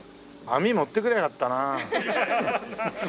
網持ってくりゃよかったな。